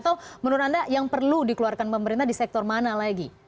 atau menurut anda yang perlu dikeluarkan pemerintah di sektor mana lagi